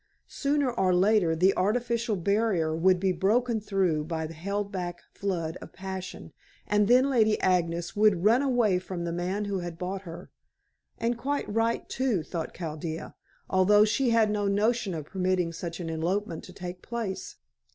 Sooner or later the artificial barrier would be broken through by the held back flood of passion, and then Lady Agnes would run away from the man who had bought her. And quite right, too, thought Chaldea, although she had no notion of permitting such an elopement to take place.